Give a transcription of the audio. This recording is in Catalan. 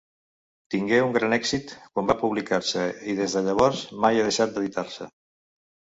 Tingué un gran èxit quan va publicar-se i des de llavors mai ha deixat d'editar-se.